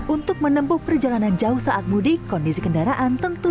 untuk menempuh perjalanan jauh saat mudik kondisi kendaraan tentu